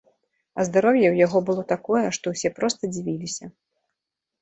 А здароўе ў яго было такое, што ўсе проста дзівіліся.